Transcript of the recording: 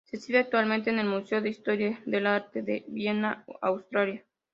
Se exhibe actualmente en el Museo de Historia del Arte de Viena, Austria.